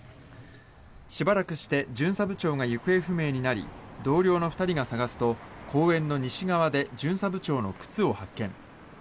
しばらくして巡査部長が行方不明になり同僚の２人が捜すと公園の西側で巡査部長の靴を発見。